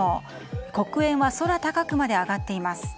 黒煙は空高くまで上がっています。